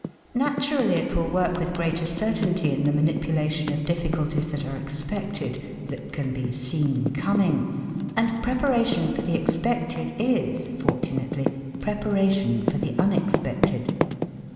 Naturally it will work with greater certainty in the manipulation of difficulties that are expected, that can be 'seen coming '; and preparation for the expected is, fortunately, preparation for the unexpected.